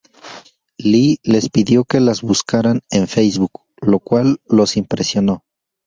Lee les pidió que las buscaran en Facebook, lo cual los impresionó.